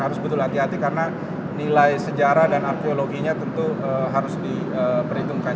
harus betul hati hati karena nilai sejarah dan arkeologinya tentu harus diperhitungkan